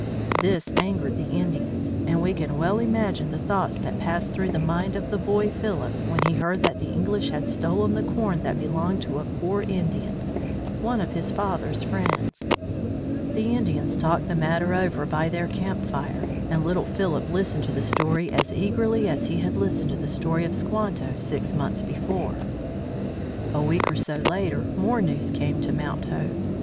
This angered the Indians, and we can well imagine the thoughts that passed through the mind of the boy Philip when he heard that the English had stolen the corn that belonged to a poor Indian, one of his father's friends. [Illustration: WATCHING THE PALEFACES] The Indians talked the matter over by their camp fire, and little Philip listened to the story as eagerly as he had listened to the story of Squanto six months before. A week or so later, more news came to Mount Hope.